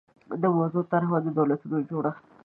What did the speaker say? د موضوع طرحه او د دولتونو جوړښت